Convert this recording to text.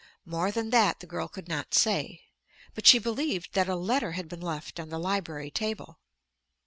More than that the girl could not say. But she believed that a letter had been left on the library table.